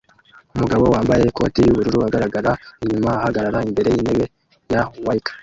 Umugabo wambaye ikoti yuburiri agaragara inyuma ahagarara imbere yintebe ya wicker